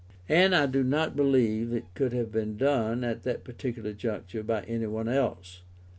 And I do not believe it could have been done, at that particular juncture, by any one else.